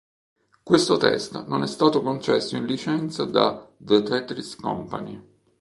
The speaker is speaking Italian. Questo test non è stato concesso in licenza da The Tetris Company.